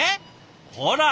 ほら！